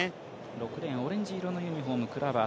６レーン、オレンジ色のユニフォームクラバー。